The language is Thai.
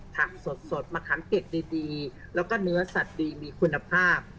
ผักสดมะขามเก็ดดีแล้วก็เนื้อสัตว์ดีมีคุณภาพ